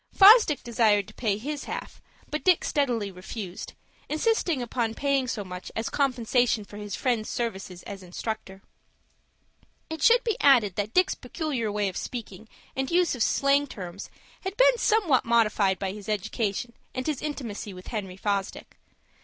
Fosdick desired to pay his half; but Dick steadily refused, insisting upon paying so much as compensation for his friend's services as instructor. It should be added that Dick's peculiar way of speaking and use of slang terms had been somewhat modified by his education and his intimacy with Henry Fosdick.